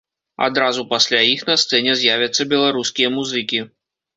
Адразу пасля іх на сцэне з'явяцца беларускія музыкі.